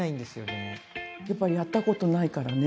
やっぱやったことないからね。